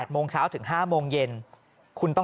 ๘โมงเช้าถึง๕โมงเย็น